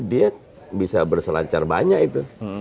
dia bisa berselancar banyak itu